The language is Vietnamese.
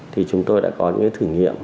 thì chúng tôi đã có những thử nghiệm